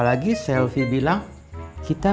maksudnya korban paman